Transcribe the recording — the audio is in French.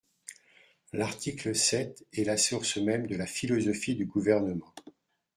L’article sept est la source même de la philosophie du Gouvernement.